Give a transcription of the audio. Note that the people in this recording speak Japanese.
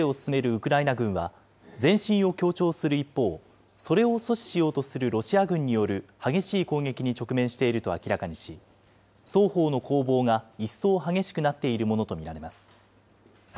ウクライナ軍は、前進を強調する一方、それを阻止しようとするロシア軍による激しい攻撃に直面していると明らかにし、双方の攻防がいっそう激しくなっているものと見られます。